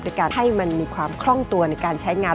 การให้มันมีความคล่องตัวในการใช้งาน